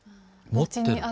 持ってる？